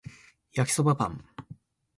焼きそばパン